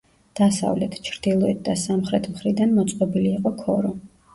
დასავლეთ, ჩრდილოეთ და სამხრეთ მხრიდან მოწყობილი იყო ქორო.